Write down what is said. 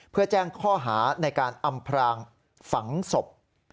เพื่อแจ้งข้อหาในการอำพรางฝังศพ